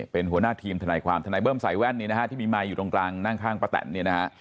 เป็นหัวหน้าทีมทนายความทนายเบิ้มใส่แว่นที่มีไมค์อยู่ตรงกลางนั่งข้างป้าแต่น